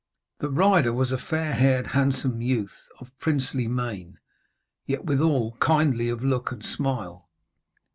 The rider was a fair haired handsome youth, of princely mien, yet withal kindly of look and smile.